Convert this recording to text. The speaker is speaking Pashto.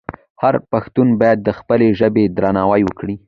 هر پښتون باید د خپلې ژبې درناوی وکړي.